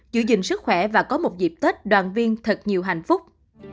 giữ gìn sức khỏe và có một dịp tết đoàn viên thật nhiều hạnh phúc